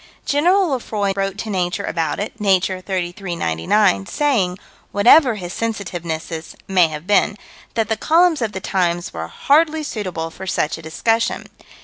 General Lefroy wrote to Nature about it (Nature, 33 99), saying whatever his sensitivenesses may have been that the columns of the Times were "hardly suitable" for such a discussion.